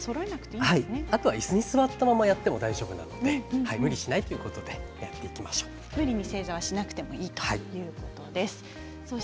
あとはいすに座ったままやっても大丈夫なので無理しないということで無理に正座はしなくてもいいということです。